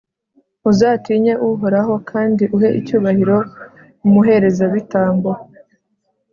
uzatinye uhoraho, kandi uhe icyubahiro umuherezabitambo